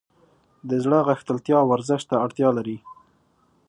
د زړه غښتلتیا ورزش ته اړتیا لري.